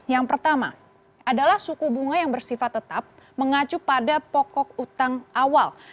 yang pertama adalah suku bunga yang bersifat tetap mengacu pada pokok utang awal